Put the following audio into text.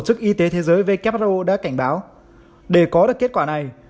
tổ chức y tế thế giới who đã cảnh báo để có được kết quả này